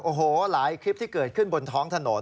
โอ้โหหลายคลิปที่เกิดขึ้นบนท้องถนน